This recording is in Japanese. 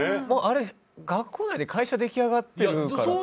学校内で会社が出来上がってるから。